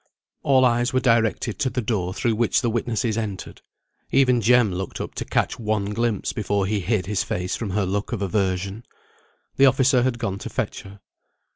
All eyes were directed to the door through which the witnesses entered. Even Jem looked up to catch one glimpse before he hid his face from her look of aversion. The officer had gone to fetch her.